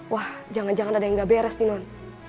wah jangan jangan ada yang gak beres nih non